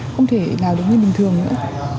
không thể nào được như bình thường nữa